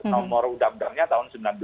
nomor undang undangnya tahun